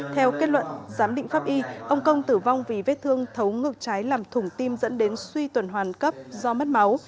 theo kết luận giám định pháp y ông công tử vong vì vết thương thấu ngược trái làm thủng tim dẫn đến suy tuần hoàn cấp do mất máu